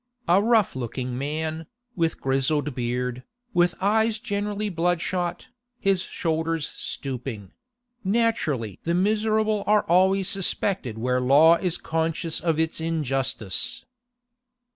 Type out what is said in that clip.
A rough looking man, with grizzled beard, with eyes generally bloodshot, his shoulders stooping—naturally the miserable are always suspected where law is conscious of its injustice.